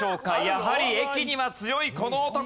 やはり駅には強いこの男か？